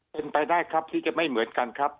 เป็นไปได้ครับที่จะไม่เหมือนกันครับ